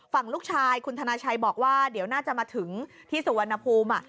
ฝั่งลูกชายคุณธนาชัยบอกว่าเดี๋ยวน่าจะมาถึงที่สุวรรณภูมิ